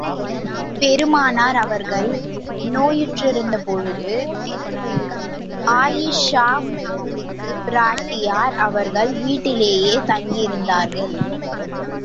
பெருமானார் அவர்கள் நோயுற்றிருந்த போது, ஆயிஷாப் பிராட்டியார் அவர்கள் வீட்டிலேயே தங்கியிருந்தார்கள்.